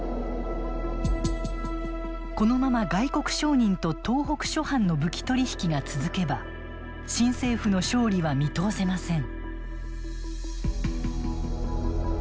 このまま外国商人と東北諸藩の武器取り引きが続けば新政府の勝利は見通せません。